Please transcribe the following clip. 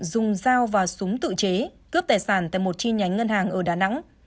dùng dao và súng tự chế cướp tài sản tại một chi nhánh ngân hàng ở đà nẵng